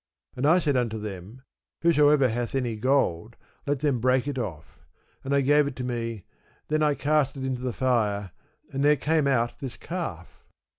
And I said unto them, Whosoever hath any gold, let them break it off. So they gave it to me: then I cast it into the fire, and there came out this calf.